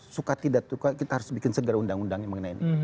suka tidak suka kita harus bikin segera undang undangnya mengenai ini